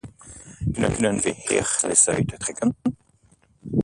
Kunnen we hier lessen uit trekken?